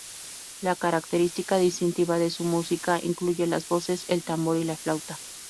La característica distintiva de su música incluye las voces, el tambor y la flauta.